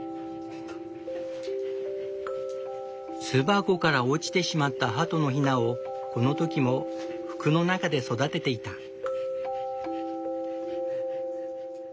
巣箱から落ちてしまったハトのヒナをこの時も服の中で育てていた。